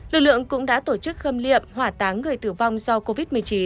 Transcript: lực lượng cũng đã tổ chức khâm liệm hỏa táng người tử vong do covid một mươi chín